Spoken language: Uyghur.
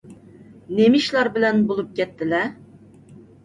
نېمە ئىشلار بىلەن بولۇپ كەتتىلە؟